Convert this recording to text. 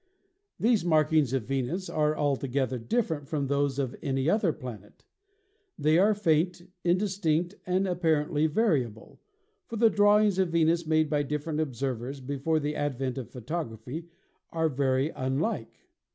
These markings of Venus are altogether different from those of any other planet. They are faint, indistinct and apparently variable, for the drawings of Venus made by different observers before the advent of photography are very unlike.